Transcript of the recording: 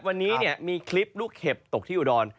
วันนี้มีคลิปลูกเห็บตกที่อุดร